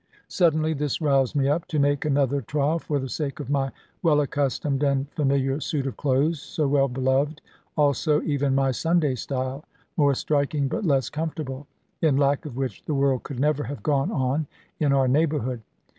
Suddenly this roused me up to make another trial for the sake of my well accustomed and familiar suit of clothes, so well beloved; also even my Sunday style, more striking but less comfortable; in lack of which the world could never have gone on in our neighbourhood.